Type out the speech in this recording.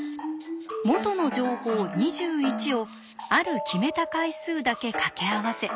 元の情報２１をある決めた回数だけかけ合わせ